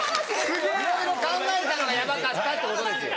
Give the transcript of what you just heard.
いろいろ考えたのがやばかったってことですよ。